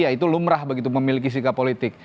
ya itu lumrah begitu memiliki sikap politik